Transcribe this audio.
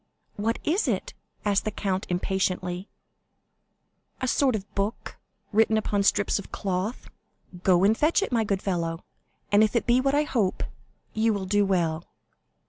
"What is it?" asked the count, impatiently. "A sort of book, written upon strips of cloth." "Go and fetch it, my good fellow; and if it be what I hope, you will do well."